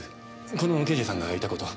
この刑事さんがいた事を。